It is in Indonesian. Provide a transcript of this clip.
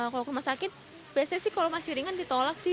kalau ke rumah sakit biasanya sih kalau masih ringan ditolak sih